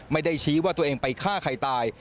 ไม่ได้ชี้ว่าตัวเองไปฆ่าใครตาย